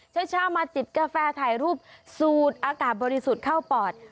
เช้ามาจิบกาแฟถ่ายรูปสูดอากาศบริสุทธิ์เข้าปอด